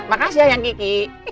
makasih ayang kiki